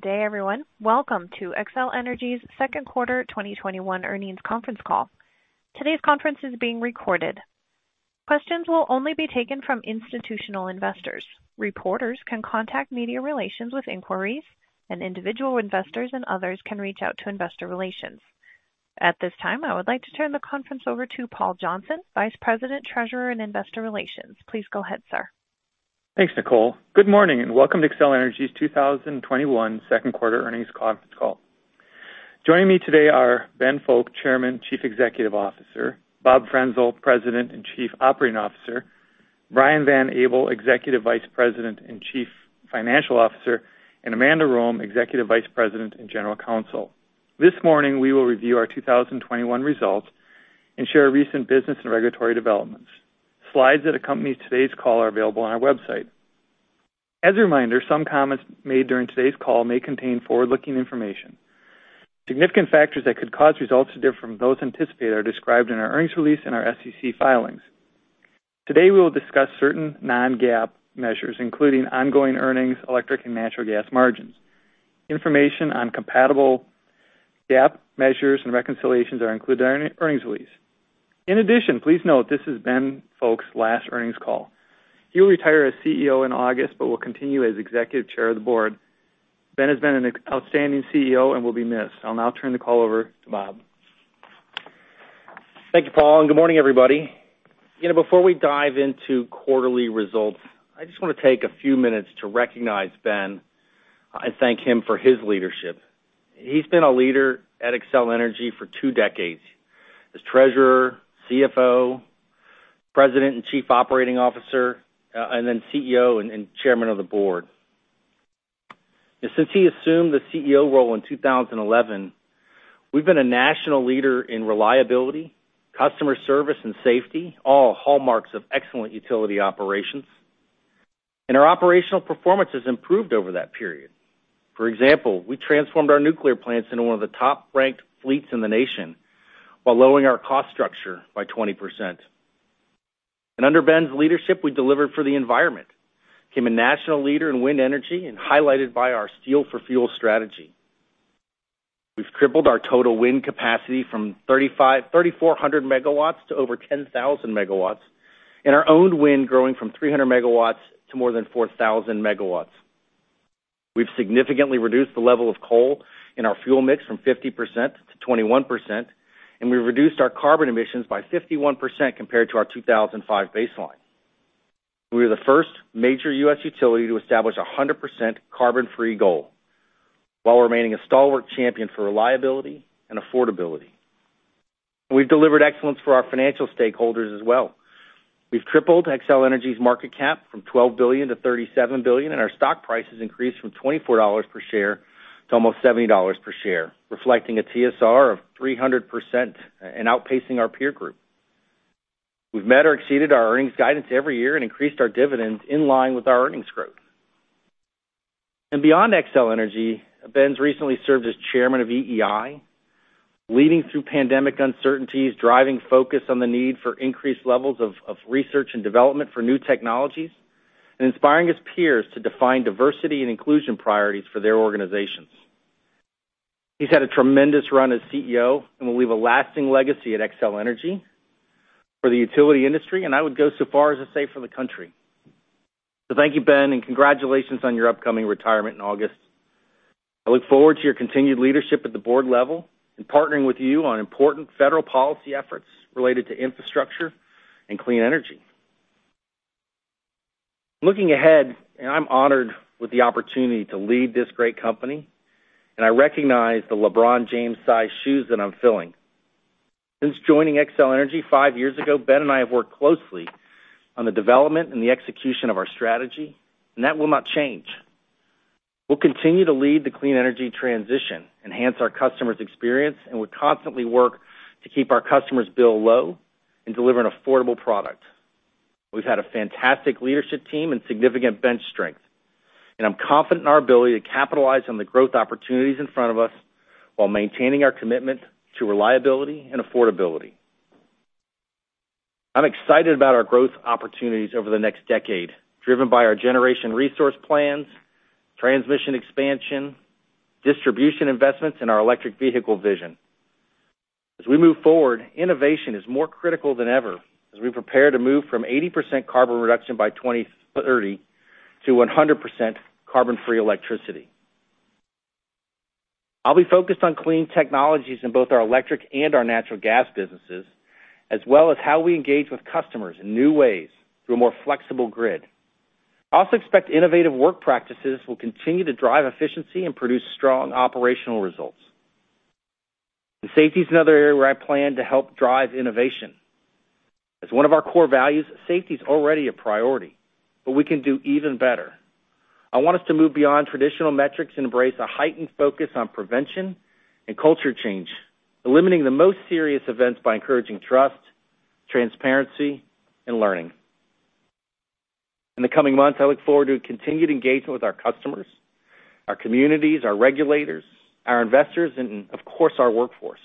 Good day, everyone. Welcome to Xcel Energy's second quarter 2021 earnings conference call. Today's conference is being recorded. Questions will only be taken from institutional investors. Reporters can contact media relations with inquiries, and individual investors and others can reach out to investor relations. At this time, I would like to turn the conference over to Paul Johnson, Vice President, Treasurer, and Investor Relations. Please go ahead, sir. Thanks, Nicole. Good morning, and welcome to Xcel Energy's 2021 Second Quarter Earnings Conference Call. Joining me today are Ben Fowke, Chairman, Chief Executive Officer, Bob Frenzel, President and Chief Operating Officer, Brian Van Abel, Executive Vice President and Chief Financial Officer, and Amanda Rome, Executive Vice President and General Counsel. This morning, we will review our 2021 results and share recent business and regulatory developments. Slides that accompany today's call are available on our website. As a reminder, some comments made during today's call may contain forward-looking information. Significant factors that could cause results to differ from those anticipated are described in our earnings release and our SEC filings. Today, we will discuss certain non-GAAP measures, including ongoing earnings, electric and natural gas margins. Information on compatible GAAP measures and reconciliations are included in our earnings release. In addition, please note this is Ben Fowke's last earnings call. He will retire as CEO in August but will continue as Executive Chair of the Board. Ben has been an outstanding CEO and will be missed. I'll now turn the call over to Bob. Thank you, Paul. Good morning, everybody. Before we dive into quarterly results, I just want to take a few minutes to recognize Ben and thank him for his leadership. He's been a leader at Xcel Energy for two decades. As Treasurer, CFO, President and Chief Operating Officer, and then CEO and Chairman of the Board. Since he assumed the CEO role in 2011, we've been a national leader in reliability, customer service, and safety, all hallmarks of excellent utility operations. Our operational performance has improved over that period. For example, we transformed our nuclear plants into one of the top-ranked fleets in the nation while lowering our cost structure by 20%. Under Ben's leadership, we delivered for the environment, became a national leader in wind energy, highlighted by our Steel for Fuel strategy. We've tripled our total wind capacity from 3,400 MW to over 10,000 MW and our owned wind growing from 300 megawatts to more than 4,000 MW. We've significantly reduced the level of coal in our fuel mix from 50%-21%, and we've reduced our carbon emissions by 51% compared to our 2005 baseline. We are the first major U.S. utility to establish a 100% carbon-free goal while remaining a stalwart champion for reliability and affordability. We've delivered excellence for our financial stakeholders as well. We've tripled Xcel Energy's market cap from $12 billion to $37 billion, and our stock price has increased from $24 per share to almost $70 per share, reflecting a TSR of 300% and outpacing our peer group. We've met or exceeded our earnings guidance every year and increased our dividends in line with our earnings growth. Beyond Xcel Energy, Ben's recently served as Chairman of EEI, leading through pandemic uncertainties, driving focus on the need for increased levels of research and development for new technologies, and inspiring his peers to define diversity and inclusion priorities for their organizations. He's had a tremendous run as CEO and will leave a lasting legacy at Xcel Energy, for the utility industry, and I would go so far as to say for the country. Thank you, Ben, and congratulations on your upcoming retirement in August. I look forward to your continued leadership at the board level and partnering with you on important federal policy efforts related to infrastructure and clean energy. Looking ahead, I'm honored with the opportunity to lead this great company, and I recognize the LeBron James-size shoes that I'm filling. Since joining Xcel Energy five years ago, Ben and I have worked closely on the development and the execution of our strategy, that will not change. We'll continue to lead the clean energy transition, enhance our customers' experience. We constantly work to keep our customers' bill low and deliver an affordable product. We've had a fantastic leadership team and significant bench strength. I'm confident in our ability to capitalize on the growth opportunities in front of us while maintaining our commitment to reliability and affordability. I'm excited about our growth opportunities over the next decade, driven by our generation resource plans, transmission expansion, distribution investments, and our electric vehicle vision. As we move forward, innovation is more critical than ever as we prepare to move from 80% carbon reduction by 2030 to 100% carbon-free electricity. I'll be focused on clean technologies in both our electric and our natural gas businesses, as well as how we engage with customers in new ways through a more flexible grid. I also expect innovative work practices will continue to drive efficiency and produce strong operational results. Safety is another area where I plan to help drive innovation. As one of our core values, safety is already a priority, but we can do even better. I want us to move beyond traditional metrics and embrace a heightened focus on prevention and culture change, eliminating the most serious events by encouraging trust, transparency, and learning. In the coming months, I look forward to continued engagement with our customers, our communities, our regulators, our investors, and of course, our workforce.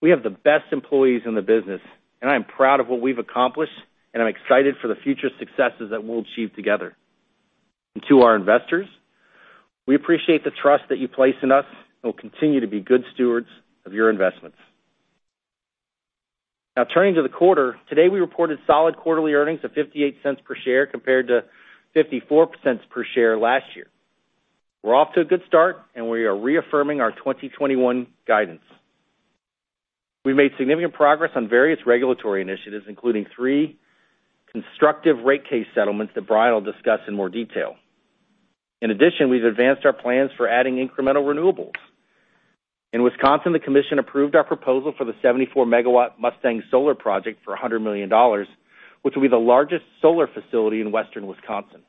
We have the best employees in the business, and I am proud of what we've accomplished, and I'm excited for the future successes that we'll achieve together. To our investors, we appreciate the trust that you place in us and we'll continue to be good stewards of your investments. Now turning to the quarter, today we reported solid quarterly earnings of $0.58 per share compared to $0.54 per share last year. We're off to a good start, and we are reaffirming our 2021 guidance. We made significant progress on various regulatory initiatives, including three constructive rate case settlements that Brian will discuss in more detail. In addition, we've advanced our plans for adding incremental renewables. In Wisconsin, the commission approved our proposal for the 74 MW Mustang Solar project for $100 million, which will be the largest solar facility in Western Wisconsin.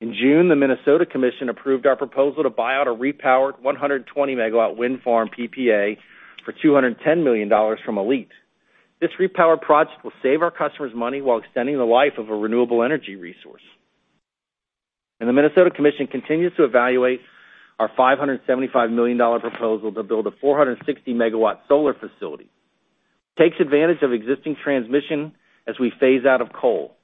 In June, the Minnesota Commission approved our proposal to buy out a repowered 120 MW wind farm PPA for $210 million from ALLETE. This repower project will save our customers money while extending the life of a renewable energy resource. The Minnesota Commission continues to evaluate our $575 million proposal to build a 460 MW solar facility. It takes advantage of existing transmission as we phase out of coal.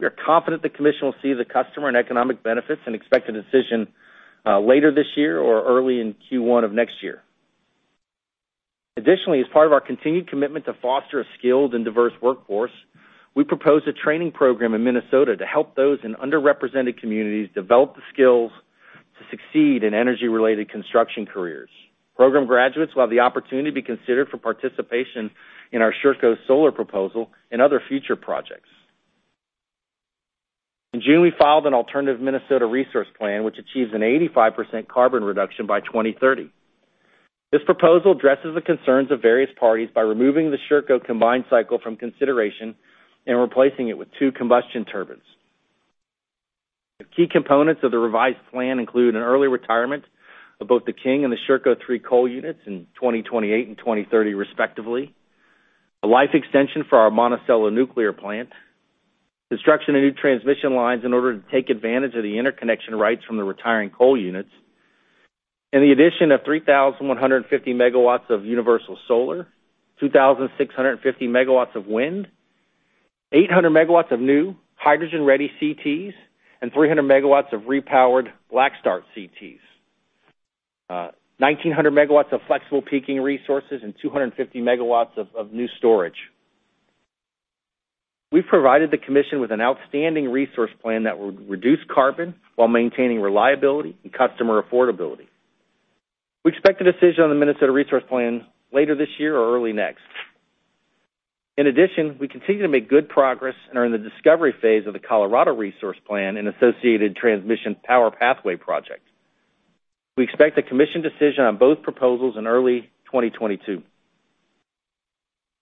We are confident the commission will see the customer and economic benefits, and expect a decision later this year or early in Q1 of next year. Additionally, as part of our continued commitment to foster a skilled and diverse workforce, we proposed a training program in Minnesota to help those in underrepresented communities develop the skills to succeed in energy-related construction careers. Program graduates will have the opportunity to be considered for participation in our Sherco Solar proposal and other future projects. In June, we filed an alternative Minnesota resource plan, which achieves an 85% carbon reduction by 2030. This proposal addresses the concerns of various parties by removing the Sherco combined cycle from consideration and replacing it with two combustion turbines. The key components of the revised plan include an early retirement of both the King and the Sherco three coal units in 2028 and 2030 respectively. A life extension for our Monticello nuclear plant, construction of new transmission lines in order to take advantage of the interconnection rights from the retiring coal units, and the addition of 3,150 MW of universal solar, 2,650 MW of wind, 800 MW of new hydrogen-ready CTs, and 300 megawatts of repowered black start CTs, 1,900 MW of flexible peaking resources, and 250 MW of new storage. We've provided the commission with an outstanding resource plan that would reduce carbon while maintaining reliability and customer affordability. We expect a decision on the Minnesota resource plan later this year or early next. In addition, we continue to make good progress and are in the discovery phase of the Colorado resource plan and associated transmission Power Pathway project. We expect a commission decision on both proposals in early 2022.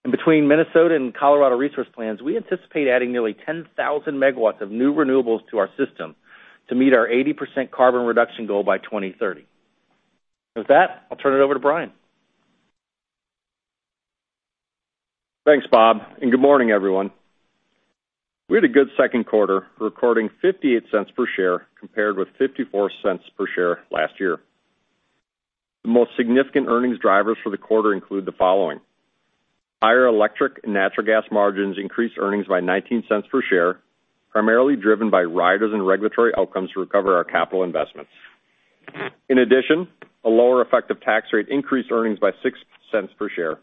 Between Minnesota and Colorado resource plans, we anticipate adding nearly 10,000 megawatts of new renewables to our system to meet our 80% carbon reduction goal by 2030. With that, I'll turn it over to Brian. Thanks, Bob, and good morning, everyone. We had a good second quarter, recording $0.58 per share compared with $0.54 per share last year. The most significant earnings drivers for the quarter include the following. Higher electric and natural gas margins increased earnings by $0.19 per share, primarily driven by riders and regulatory outcomes to recover our capital investments. In addition, a lower effective tax rate increased earnings by $0.06 per share.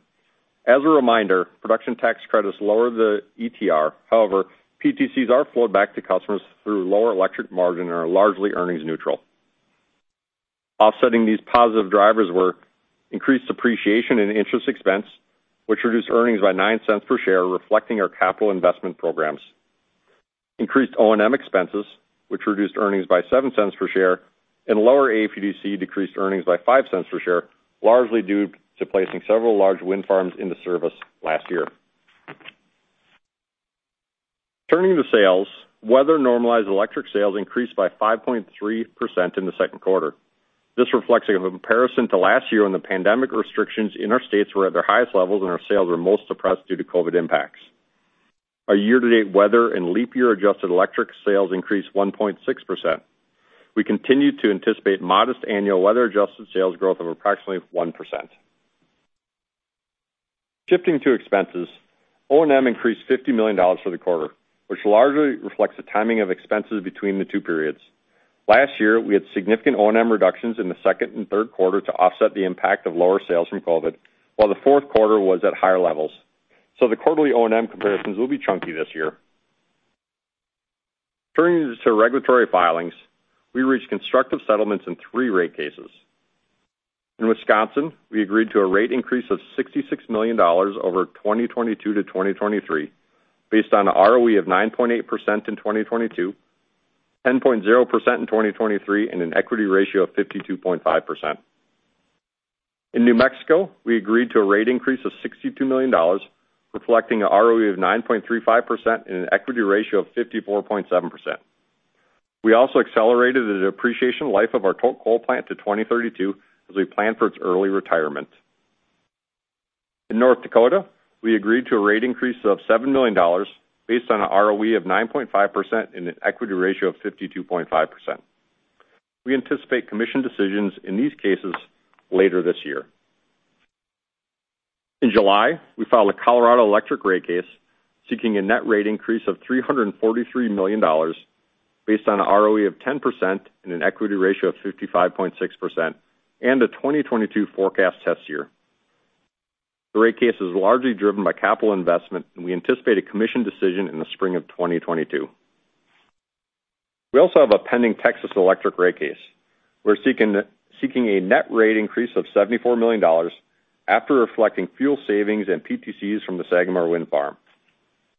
As a reminder, production tax credits lower the ETR. However, PTCs are flowed back to customers through lower electric margin and are largely earnings neutral. Offsetting these positive drivers were increased depreciation in interest expense, which reduced earnings by $0.09 per share, reflecting our capital investment programs. Increased O&M expenses, which reduced earnings by $0.07 per share. Lower AFUDC decreased earnings by $0.05 per share, largely due to placing several large wind farms into service last year. Turning to sales, weather-normalized electric sales increased by 5.3% in the second quarter. This reflects a comparison to last year when the pandemic restrictions in our states were at their highest levels and our sales were most suppressed due to COVID impacts. Our year-to-date weather and leap year-adjusted electric sales increased 1.6%. We continue to anticipate modest annual weather-adjusted sales growth of approximately 1%. Shifting to expenses, O&M increased $50 million for the quarter, which largely reflects the timing of expenses between the two periods. Last year, we had significant O&M reductions in the second and third quarter to offset the impact of lower sales from COVID, while the fourth quarter was at higher levels. The quarterly O&M comparisons will be chunky this year. Turning to regulatory filings, we reached constructive settlements in three rate cases. In Wisconsin, we agreed to a rate increase of $66 million over 2022 to 2023, based on an ROE of 9.8% in 2022, 10.0% in 2023, and an equity ratio of 52.5%. In New Mexico, we agreed to a rate increase of $62 million, reflecting an ROE of 9.35% and an equity ratio of 54.7%. We also accelerated the depreciation life of our coal plant to 2032 as we plan for its early retirement. In North Dakota, we agreed to a rate increase of $7 million based on an ROE of 9.5% and an equity ratio of 52.5%. We anticipate commission decisions in these cases later this year. In July, we filed a Colorado electric rate case seeking a net rate increase of $343 million based on an ROE of 10% and an equity ratio of 55.6%, and a 2022 forecast test year. The rate case is largely driven by capital investment, and we anticipate a commission decision in the spring of 2022. We also have a pending Texas electric rate case. We're seeking a net rate increase of $74 million after reflecting fuel savings and PTCs from the Sagamore Wind Farm.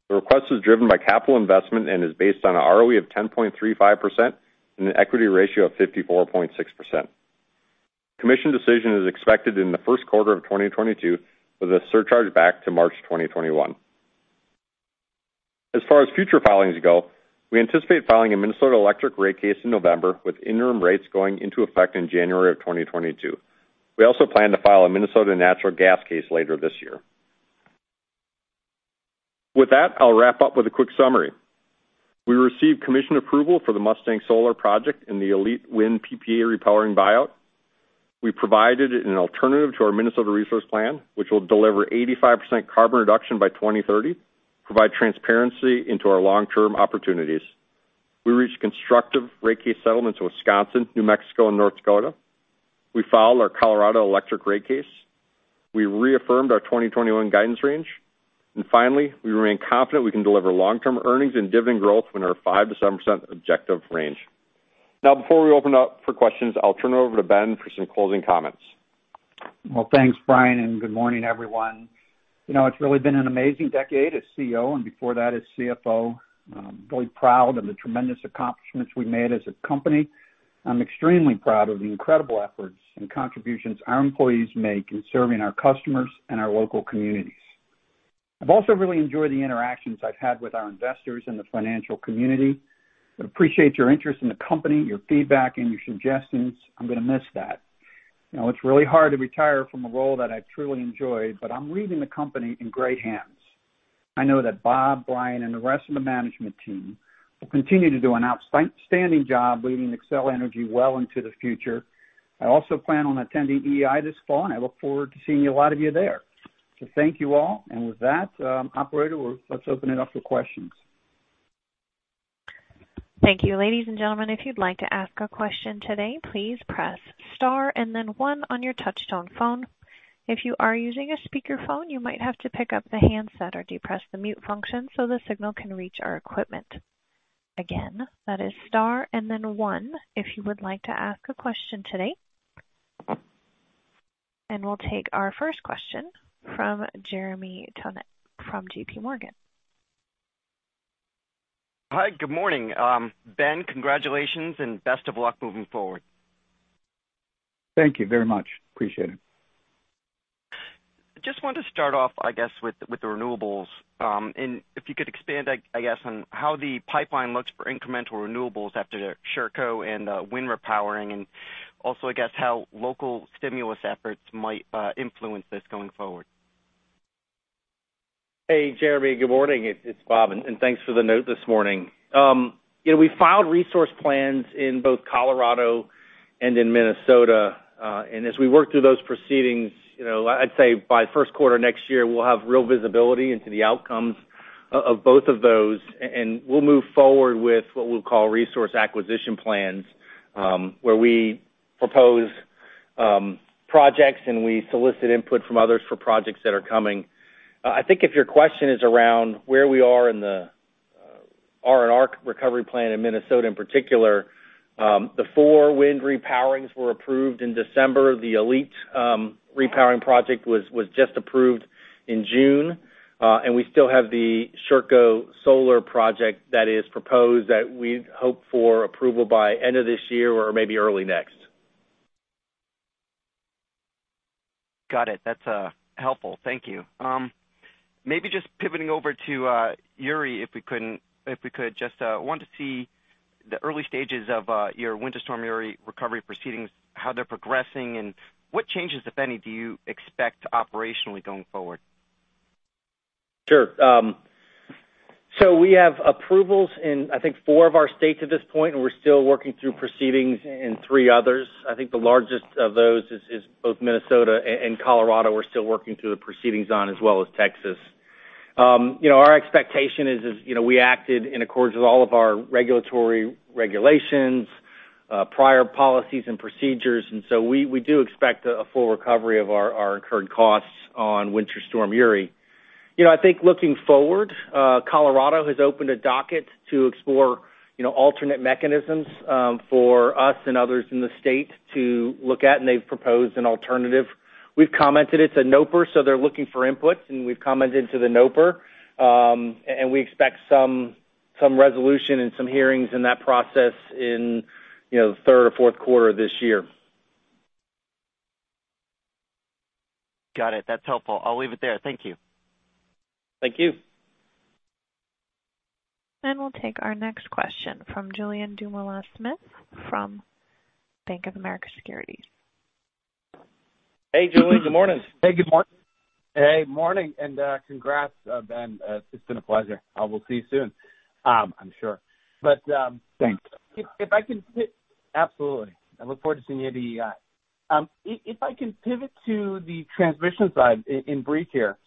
The request is driven by capital investment and is based on an ROE of 10.35% and an equity ratio of 54.6%. Commission decision is expected in the first quarter of 2022 with a surcharge back to March 2021. As far as future filings go, we anticipate filing a Minnesota electric rate case in November, with interim rates going into effect in January of 2022. We also plan to file a Minnesota natural gas case later this year. With that, I'll wrap up with a quick summary. We received commission approval for the Mustang Solar project and the ALLETE wind PPA repowering buyout. We provided an alternative to our Minnesota resource plan, which will deliver 85% carbon reduction by 2030, provide transparency into our long-term opportunities. We reached constructive rate case settlements with Wisconsin, New Mexico, and North Dakota. We filed our Colorado electric rate case. We reaffirmed our 2021 guidance range, and finally, we remain confident we can deliver long-term earnings and dividend growth in our 5%-7% objective range. Before we open up for questions, I'll turn it over to Ben Fowke for some closing comments. Well, thanks, Brian, and good morning, everyone. It's really been an amazing decade as CEO and before that as CFO. I'm really proud of the tremendous accomplishments we made as a company. I'm extremely proud of the incredible efforts and contributions our employees make in serving our customers and our local communities. I've also really enjoyed the interactions I've had with our investors in the financial community. I appreciate your interest in the company, your feedback, and your suggestions. I'm going to miss that. It's really hard to retire from a role that I've truly enjoyed, but I'm leaving the company in great hands. I know that Bob, Brian, and the rest of the management team will continue to do an outstanding job leading Xcel Energy well into the future. I also plan on attending EEI this fall, and I look forward to seeing a lot of you there. Thank you all. With that, operator, let's open it up for questions. Thank you. Ladies and gentlemen, if you'd like to ask a question today, please press star and then one on your touchtone phone. If you are using a speakerphone, you might have to pick up the handset or depress the mute function so the signal can reach our equipment. Again, that is star and then one if you would like to ask a question today. We'll take our first question from Jeremy Tonet from J.P. Morgan. Hi. Good morning. Ben, congratulations and best of luck moving forward. Thank you very much. Appreciate it. Just wanted to start off, I guess, with the renewables. If you could expand, I guess, on how the pipeline looks for incremental renewables after Sherco and wind repowering, and also, I guess how local stimulus efforts might influence this going forward. Hey, Jeremy. Good morning. It's Bob, thanks for the note this morning. We filed resource plans in both Colorado and in Minnesota. As we work through those proceedings, I'd say by first quarter next year, we'll have real visibility into the outcomes of both of those, we'll move forward with what we'll call resource acquisition plans, where we propose projects, we solicit input from others for projects that are coming. I think if your question is around where we are in the R&R Recovery Plan in Minnesota, in particular, the four wind repowerings were approved in December. The ALLETE repowering project was just approved in June. We still have the Sherco Solar project that is proposed that we hope for approval by end of this year or maybe early next. Got it. That's helpful. Thank you. Just pivoting over to Uri, if we could. Just want to see the early stages of your Winter Storm Uri recovery proceedings, how they're progressing, and what changes, if any, do you expect operationally going forward? Sure. We have approvals in, I think, four of our states at this point, and we're still working through proceedings in three others. I think the largest of those is both Minnesota and Colorado we're still working through the proceedings on, as well as Texas. Our expectation is we acted in accordance with all of our regulatory regulations, prior policies, and procedures, we do expect a full recovery of our incurred costs on Winter Storm Uri. I think looking forward, Colorado has opened a docket to explore alternate mechanisms for us and others in the state to look at, and they've proposed an alternative. We've commented it's a NOPR, they're looking for input, and we've commented to the NOPR. We expect some resolution and some hearings in that process in the third or fourth quarter of this year. Got it. That's helpful. I'll leave it there. Thank you. Thank you. We'll take our next question from Julien Dumoulin-Smith from Bank of America Securities. Hey, Julien. Good morning. Hey, good morning. Hey, morning and congrats, Ben. It has been a pleasure. I will see you soon. I'm sure. But. Thanks. Absolutely. I look forward to seeing you at EEI. If I can pivot to the transmission side in brief here.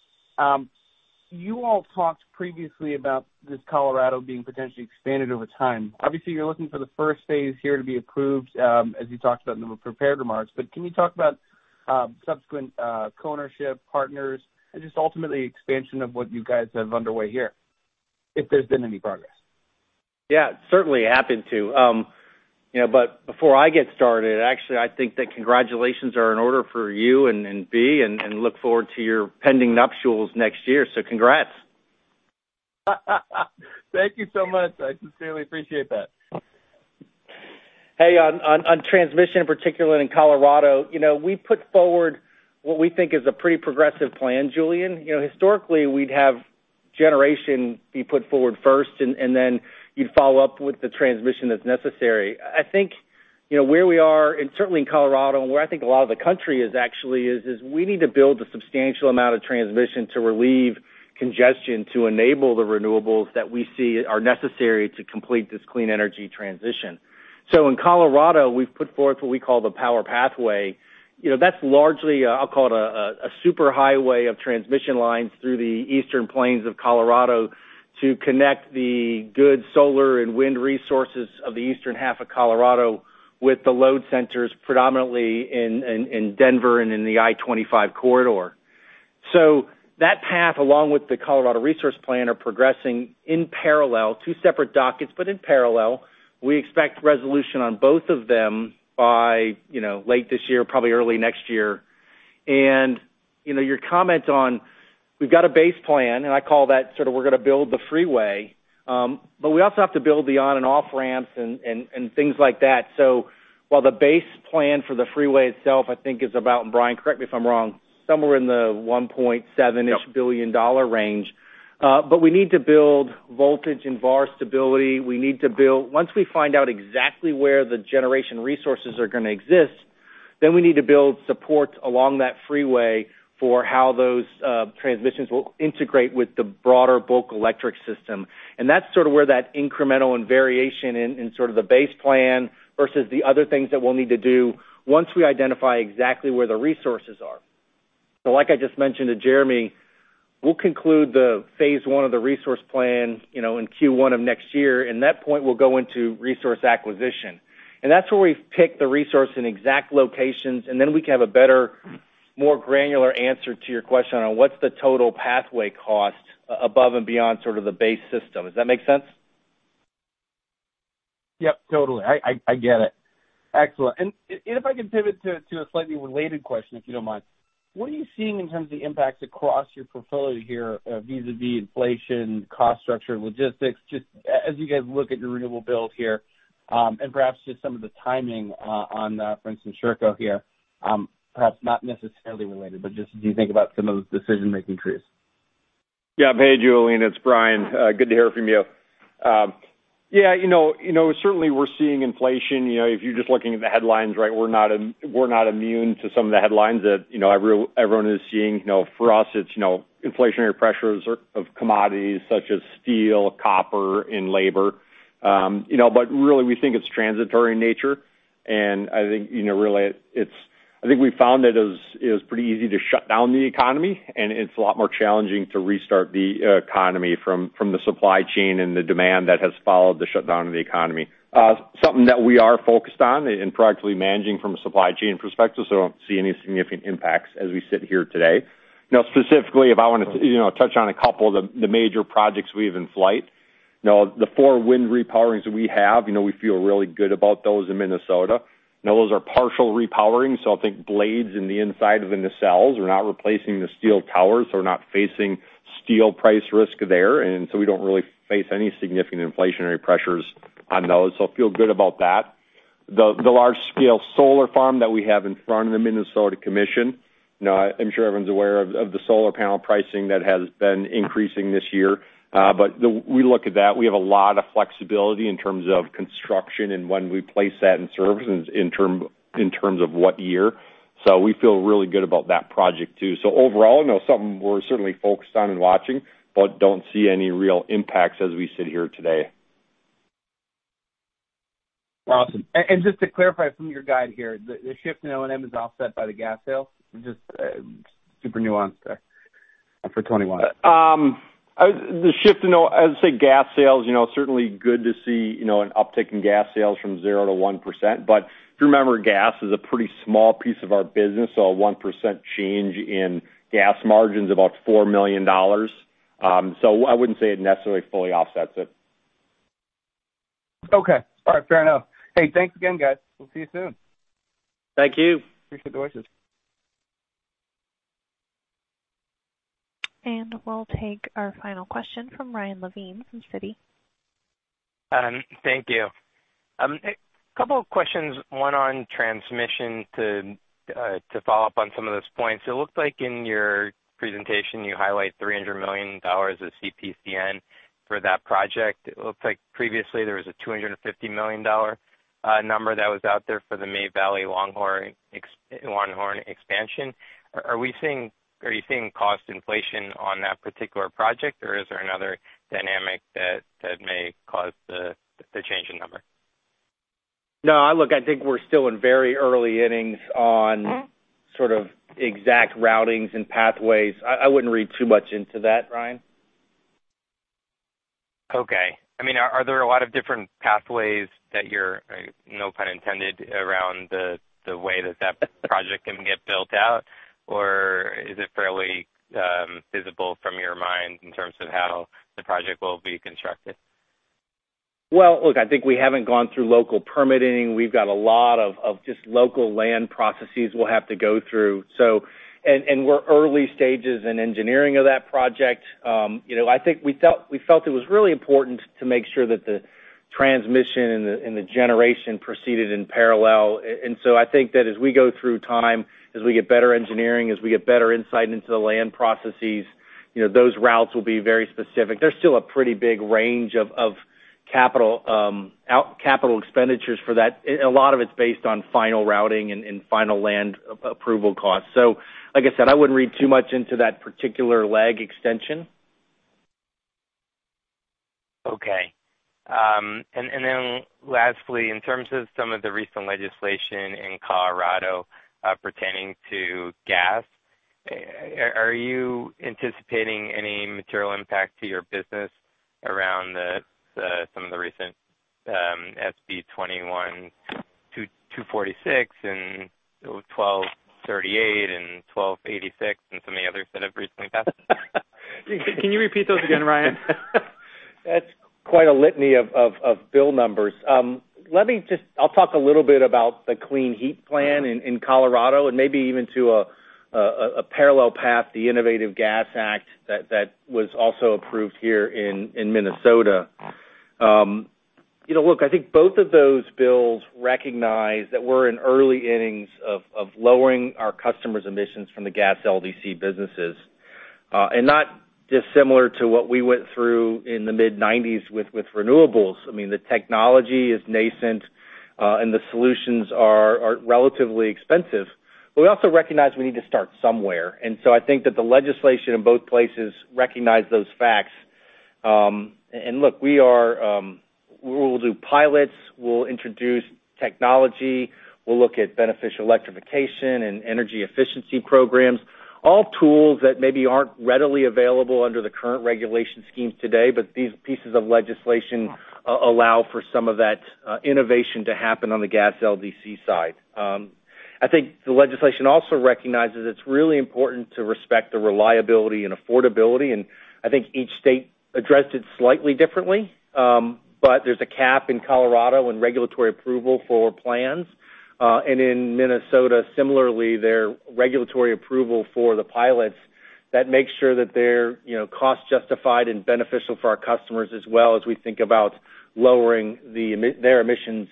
You all talked previously about this Colorado being potentially expanded over time. Obviously, you're looking for the first phase here to be approved, as you talked about in the prepared remarks. Can you talk about subsequent co-ownership partners and just ultimately expansion of what you guys have underway here, if there's been any progress? Yeah. Certainly happy to. Before I get started, actually, I think that congratulations are in order for you and Bea and look forward to your pending nuptials next year. Congrats. Thank you so much. I sincerely appreciate that. Hey, on transmission particularly in Colorado, we put forward what we think is a pretty progressive plan, Julien. Historically, we'd have generation be put forward first, and then you'd follow up with the transmission that's necessary. I think, where we are, and certainly in Colorado and where I think a lot of the country is actually, is we need to build a substantial amount of transmission to relieve congestion to enable the renewables that we see are necessary to complete this clean energy transition. In Colorado, we've put forth what we call the Power Pathway. That's largely, I'll call it, a super highway of transmission lines through the eastern plains of Colorado to connect the good solar and wind resources of the eastern half of Colorado with the load centers predominantly in Denver and in the I-25 corridor. That path, along with the Colorado resource plan, are progressing in parallel, two separate dockets, but in parallel. We expect resolution on both of them by late this year, probably early next year. Your comment on we've got a base plan, and I call that sort of we're going to build the freeway. We also have to build the on and off ramps and things like that. While the base plan for the freeway itself, I think is about, and Brian, correct me if I'm wrong, somewhere in the $1.7-ish billion range. We need to build voltage and VAR stability. Once we find out exactly where the generation resources are going to exist, we need to build support along that freeway for how those transmissions will integrate with the broader bulk electric system. That's sort of where that incremental and variation in sort of the base plan versus the other things that we'll need to do once we identify exactly where the resources are. Like I just mentioned to Jeremy, we'll conclude the phase I of the resource plan in Q1 of next year. That point we'll go into resource acquisition. That's where we pick the resource in exact locations, and then we can have a better, more granular answer to your question on what's the total pathway cost above and beyond sort of the base system. Does that make sense? Yep, totally. I get it. Excellent. If I can pivot to a slightly related question, if you don't mind. What are you seeing in terms of the impacts across your portfolio here vis-a-vis inflation, cost structure, logistics, just as you guys look at your renewable build here? Perhaps just some of the timing on, for instance, Sherco here. Perhaps not necessarily related, but just as you think about some of those decision-making trees. Hey, Julien, it's Brian. Good to hear from you. Certainly we're seeing inflation. If you're just looking at the headlines, we're not immune to some of the headlines that everyone is seeing. For us, it's inflationary pressures of commodities such as steel, copper and labor. Really, we think it's transitory in nature, and I think we've found that it is pretty easy to shut down the economy, and it's a lot more challenging to restart the economy from the supply chain and the demand that has followed the shutdown of the economy. We are focused on and proactively managing from a supply chain perspective, so I don't see any significant impacts as we sit here today. Specifically, if I want to touch on a couple of the major projects we have in flight. The four wind repowerings that we have, we feel really good about those in Minnesota, those are partial repowerings, so I think blades in the inside of the nacelles. We're not replacing the steel towers, so we're not facing steel price risk there. We don't really face any significant inflationary pressures on those. I feel good about that. The large-scale solar farm that we have in front of the Minnesota Commission. I'm sure everyone's aware of the solar panel pricing that has been increasing this year, we look at that. We have a lot of flexibility in terms of construction and when we place that in service in terms of what year. We feel really good about that project too. Overall, something we're certainly focused on and watching, but don't see any real impacts as we sit here today. Awesome. Just to clarify from your guide here, the shift in O&M is offset by the gas sales? Just super nuanced there for 2021. The shift in, I would say gas sales, certainly good to see an uptick in gas sales from 0 to 1%. If you remember, gas is a pretty small piece of our business. A 1% change in gas margin's about $4 million. I wouldn't say it necessarily fully offsets it. Okay. All right. Fair enough. Hey, thanks again, guys. We'll see you soon. Thank you. Appreciate the voices. We'll take our final question from Ryan Levine from Citi. Thank you. A couple of questions, one on transmission to follow up on some of those points. It looks like in your presentation you highlight $300 million of CPCN for that project. It looks like previously there was a $250 million number that was out there for the May Valley-Longhorn extension expansion. Are you seeing cost inflation on that particular project, or is there another dynamic that may cause the change in number? No. Look, I think we're still in very early innings on sort of exact routings and pathways. I wouldn't read too much into that, Ryan. Okay. Are there a lot of different pathways that you're, no pun intended, around the way that that project can get built out? Is it fairly visible from your mind in terms of how the project will be constructed? Well, look, I think we haven't gone through local permitting. We've got a lot of just local land processes we'll have to go through. We're early stages in engineering of that project. I think we felt it was really important to make sure that the transmission and the generation proceeded in parallel. I think that as we go through time, as we get better engineering, as we get better insight into the land processes, those routes will be very specific. There's still a pretty big range of CapEx for that. A lot of it's based on final routing and final land approval costs. Like I said, I wouldn't read too much into that particular leg extension. Okay. Lastly, in terms of some of the recent legislation in Colorado pertaining to gas, are you anticipating any material impact to your business around some of the recent SB21-246 and 1238 and 1286 and some of the others that have recently passed? Can you repeat those again, Ryan? That's quite a litany of bill numbers. I'll talk a little bit about the Clean Heat Plan in Colorado and maybe even to a parallel path, the Natural Gas Innovation Act, that was also approved here in Minnesota. Look, I think both of those bills recognize that we're in early innings of lowering our customers' emissions from the gas LDC businesses. Not dissimilar to what we went through in the mid 90s with renewables. I mean, the technology is nascent, and the solutions are relatively expensive. We also recognize we need to start somewhere. I think that the legislation in both places recognize those facts. Look, we will do pilots, we'll introduce technology, we'll look at beneficial electrification and energy efficiency programs, all tools that maybe aren't readily available under the current regulation schemes today. These pieces of legislation allow for some of that innovation to happen on the gas LDC side. I think the legislation also recognizes it's really important to respect the reliability and affordability, and I think each state addressed it slightly differently. There's a cap in Colorado and regulatory approval for plans. In Minnesota, similarly, their regulatory approval for the pilots that makes sure that they're cost-justified and beneficial for our customers as well as we think about lowering their emissions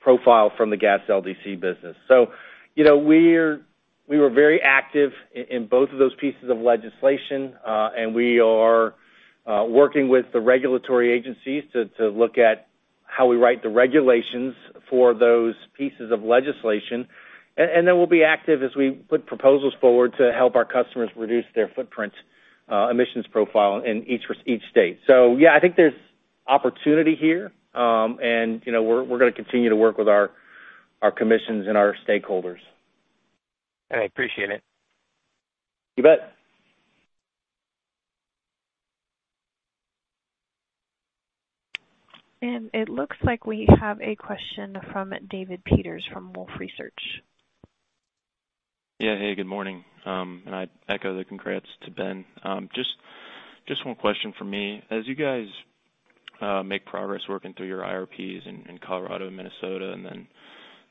profile from the gas LDC business. We were very active in both of those pieces of legislation, and we are working with the regulatory agencies to look at how we write the regulations for those pieces of legislation. We'll be active as we put proposals forward to help our customers reduce their footprint emissions profile in each state. I think there's opportunity here. We're going to continue to work with our commissions and our stakeholders. I appreciate it. You bet. It looks like we have a question from David Peters from Wolfe Research. Yeah. Hey, good morning. I echo the congrats to Ben. Just one question from me. As you guys make progress working through your IRPs in Colorado and Minnesota and then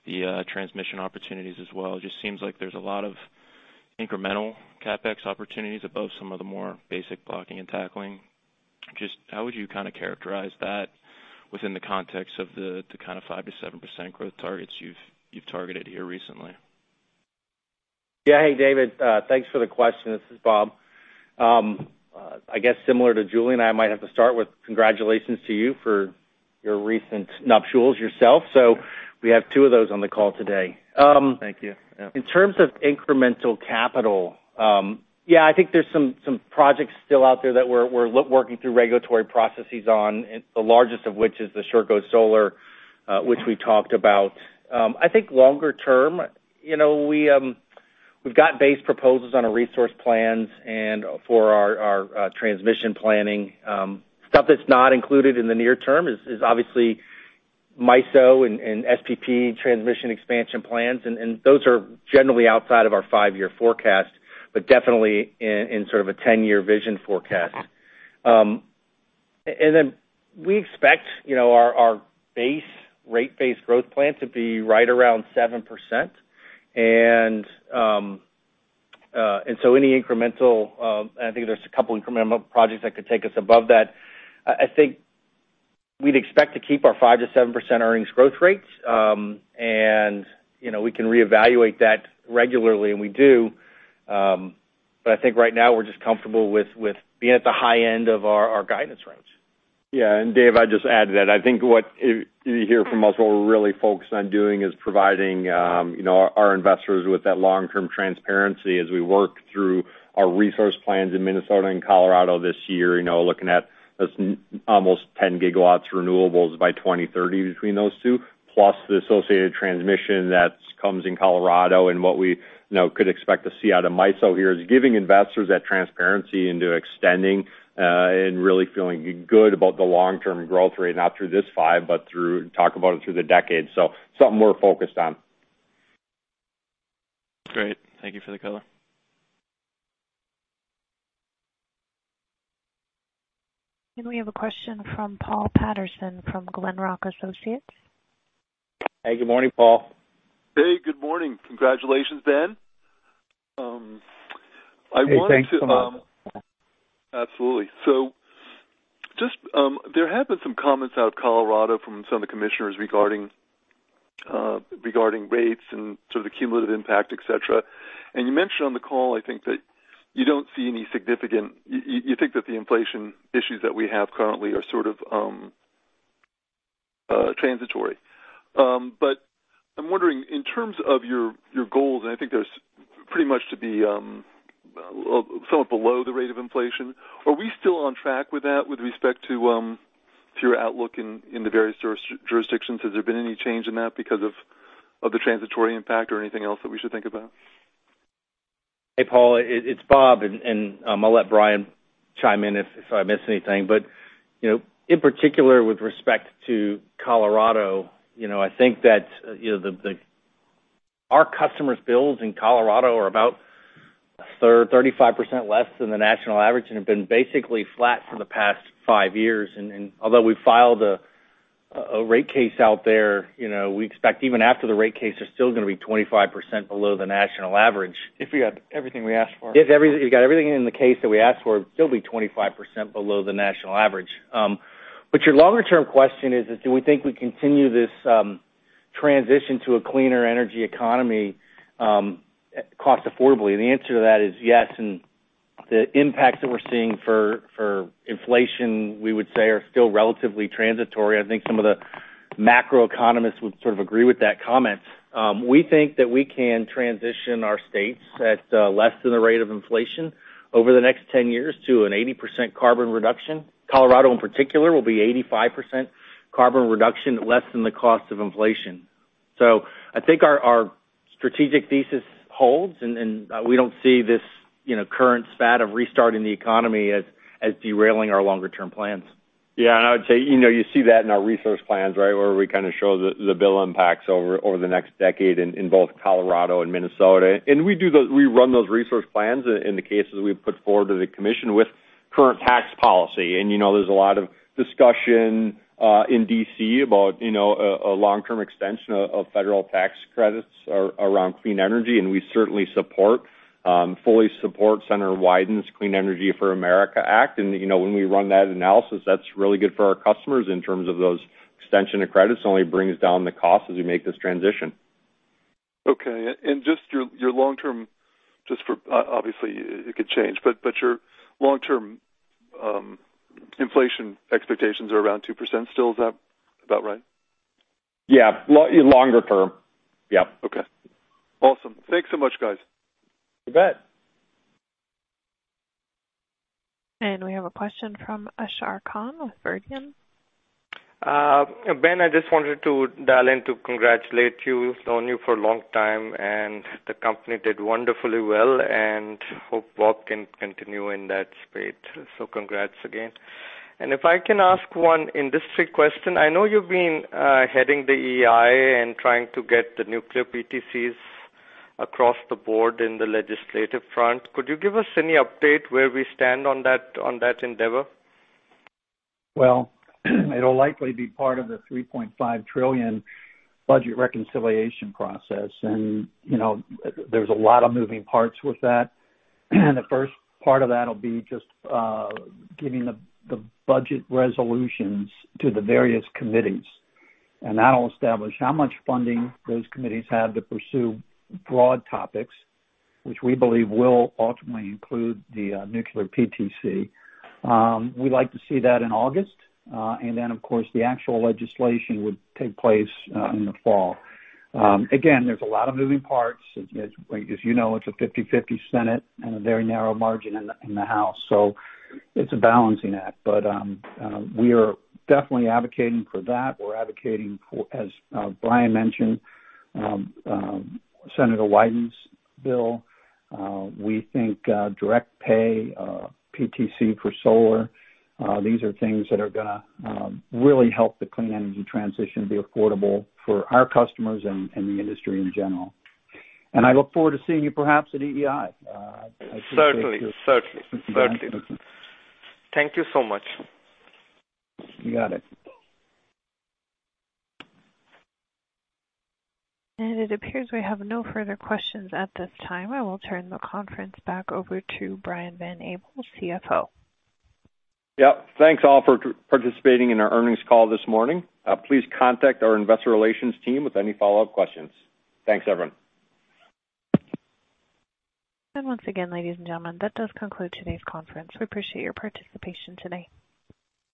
the transmission opportunities as well, it just seems like there's a lot of incremental CapEx opportunities above some of the more basic blocking and tackling. Just how would you kind of characterize that within the context of the kind of 5%-7% growth targets you've targeted here recently? Yeah. Hey, David. Thanks for the question. This is Bob. I guess similar to Julien Dumoulin-Smith and I might have to start with congratulations to you for your recent nuptials yourself. We have two of those on the call today. Thank you. Yeah. In terms of incremental capital, yeah, I think there's some projects still out there that we're working through regulatory processes on, the largest of which is the Sherco Solar, which we talked about. I think longer term, we've got base proposals on our resource plans and for our transmission planning. Stuff that's not included in the near term is obviously MISO and SPP transmission expansion plans, and those are generally outside of our five-year forecast, but definitely in sort of a 10-year vision forecast. Then we expect our base rate base growth plan to be right around 7%, and so any incremental, and I think there's a couple incremental projects that could take us above that. I think we'd expect to keep our 5%-7% earnings growth rates. We can reevaluate that regularly, and we do. I think right now we're just comfortable with being at the high end of our guidance range. Yeah. Dave, I'd just add to that. I think what you hear from us, what we're really focused on doing, is providing our investors with that long-term transparency as we work through our resource plans in Minnesota and Colorado this year. Looking at almost 10 GW renewables by 2030 between those two, plus the associated transmission that comes in Colorado. What we could expect to see out of MISO here, is giving investors that transparency into extending, and really feeling good about the long-term growth rate, not through this five, but talk about it through the decade. Something we're focused on. Great. Thank you for the color. We have a question from Paul Patterson from Glenrock Associates. Hey, good morning, Paul. Hey, good morning. Congratulations, Ben. Hey, thanks so much. Absolutely. There have been some comments out of Colorado from some of the commissioners regarding rates and sort of the cumulative impact, et cetera. You mentioned on the call, I think, that you think that the inflation issues that we have currently are sort of transitory. I'm wondering, in terms of your goals, and I think there's pretty much to be somewhat below the rate of inflation. Are we still on track with that with respect to your outlook in the various jurisdictions? Has there been any change in that because of the transitory impact or anything else that we should think about? Hey, Paul, it's Bob, and I'll let Brian chime in if I miss anything. In particular, with respect to Colorado, I think that our customers' bills in Colorado are about 35% less than the national average, and have been basically flat for the past five years. Although we filed a rate case out there, we expect even after the rate case, they're still going to be 25% below the national average. If we got everything we asked for. If we got everything in the case that we asked for, still be 25% below the national average. Your longer term question is, do we think we continue this transition to a cleaner energy economy cost affordably? The answer to that is yes. The impacts that we're seeing for inflation, we would say are still relatively transitory. I think some of the macroeconomists would sort of agree with that comment. We think that we can transition our states at less than the rate of inflation over the next 10 years to an 80% carbon reduction. Colorado, in particular, will be 85% carbon reduction, less than the cost of inflation. I think our strategic thesis holds, and we don't see this current spat of restarting the economy as derailing our longer term plans. Yeah. I would say, you see that in our resource plans, right? Where we kind of show the bill impacts over the next decade in both Colorado and Minnesota. We run those resource plans in the cases we've put forward to the commission with current tax policy. There's a lot of discussion in D.C. about a long-term extension of federal tax credits around clean energy, and we certainly fully support Senator Wyden's Clean Energy for America Act. When we run that analysis, that's really good for our customers in terms of those extension of credits, only brings down the cost as we make this transition. Okay. Obviously, it could change, but your long-term inflation expectations are around 2% still. Is that about right? Yeah. Longer term. Yep. Okay. Awesome. Thanks so much, guys. You bet. We have a question from Ashar Khan with Verition. Ben, I just wanted to dial in to congratulate you. Known you for a long time, and the company did wonderfully well, and hope work can continue in that spirit, congrats again. If I can ask one industry question. I know you've been heading the EEI and trying to get the nuclear PTCs across the board in the legislative front. Could you give us any update where we stand on that endeavor? Well, it'll likely be part of the $3.5 trillion budget reconciliation process. There's a lot of moving parts with that. The first part of that will be just giving the budget resolutions to the various committees. That'll establish how much funding those committees have to pursue broad topics, which we believe will ultimately include the nuclear PTC. We'd like to see that in August. Then, of course, the actual legislation would take place in the fall. Again, there's a lot of moving parts. As you know, it's a 50/50 Senate. A very narrow margin in the House. It's a balancing act. We are definitely advocating for that. We're advocating for, as Brian mentioned, Senator Wyden's bill. We think direct pay PTC for solar. These are things that are going to really help the clean energy transition be affordable for our customers and the industry in general. I look forward to seeing you perhaps at EEI. Certainly. Thank you so much. You got it. It appears we have no further questions at this time. I will turn the conference back over to Brian Van Abel, CFO. Yep. Thanks, all, for participating in our earnings call this morning. Please contact our investor relations team with any follow-up questions. Thanks, everyone. Once again, ladies and gentlemen, that does conclude today's conference. We appreciate your participation today.